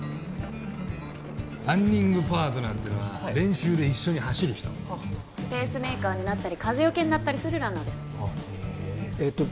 ランニングパートナーっていうのは練習で一緒に走る人ペースメーカーになったり風よけになったりするランナーですへええっと